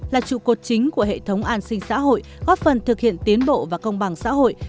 là trụ cột chính của hệ thống an sinh xã hội góp phần thực hiện tiến bộ và công bằng xã hội